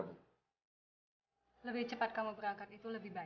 lebih cepat kamu berangkat itu lebih baik